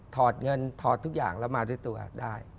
อดเงินถอดทุกอย่างแล้วมาด้วยตัวได้